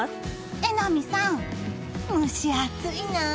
榎並さん、蒸し暑いなあ。